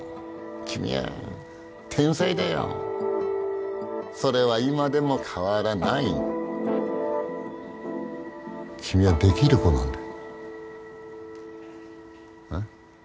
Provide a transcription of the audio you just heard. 君は天才だよそれは今でも変わらない君はできる子なんだ